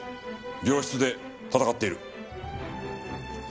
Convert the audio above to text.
病室で闘っている。